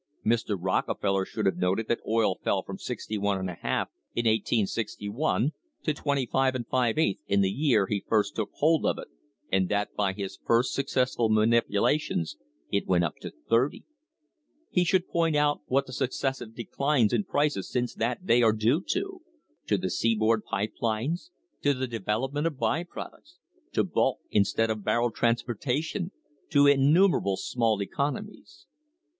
Mr. Rockefeller should have noted that oil fell from 6iy 2 in 1861 to 25^ in the year he first took hold of it, and that by his first successful manipu lation it went up to 30! He should point out what the suc cessive declines in prices since that day are due to to the seaboard pipe lines, to the development of by products, to bulk instead of barrel transportation, to innumerable small economies.